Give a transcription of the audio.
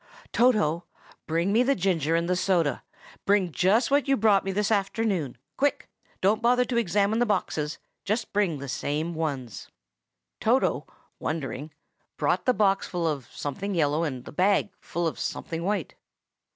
"Toto, bring me the ginger and the soda; bring just what you brought me this afternoon. Quick! don't stop to examine the boxes; bring the same ones." Toto, wondering, brought the box full of something yellow, and the bag full of something white.